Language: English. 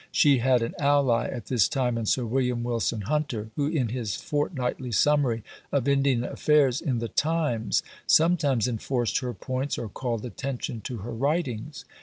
She had an ally at this time in Sir William Wilson Hunter, who, in his fortnightly summary of "Indian Affairs" in the Times, sometimes enforced her points or called attention to her writings.